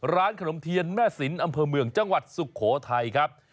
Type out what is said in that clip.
ร้านขนมเทียนแม่สินอำเภอเมืองจังหวัดสุโขทัยครับ